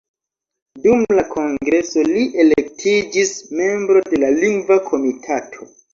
Dum la kongreso li elektiĝis membro de la Lingva Komitato.